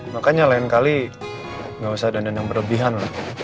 makanya lain kali gak usah dandan yang berlebihan lah